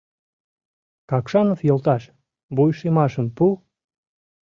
— Какшанов йолташ, вуйшиймашым пу!